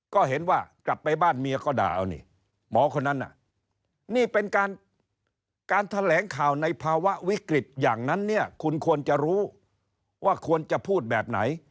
ก็เห็นว่ากลับไปบ้านเมียก็ด่าเอานี่หมอคนนั้นน่ะนี่เป็นการแถลงข่าวในภาวะวิกฤตอย่างนั้นเนี่ยคุณควรจะรู้ว่าควรจะพูดแบบไหน